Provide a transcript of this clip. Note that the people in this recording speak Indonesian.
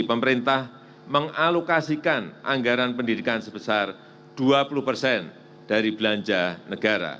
pemerintah mengalokasikan anggaran pendidikan sebesar dua puluh persen dari belanja negara